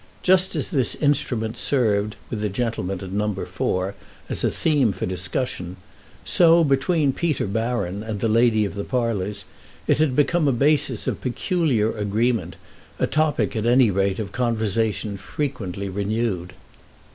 Just as this instrument served, with the gentleman at No. 4, as a theme for discussion, so between Peter Baron and the lady of the parlours it had become a basis of peculiar agreement, a topic, at any rate, of conversation frequently renewed.